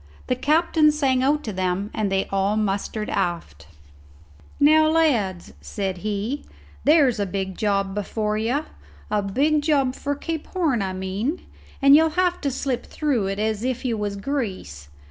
The captain sang out to them and they all mustered aft. "Now, lads," said he, "there's a big job before you a big job for Cape Horn, I mean; and you'll have to slip through it as if you was grease.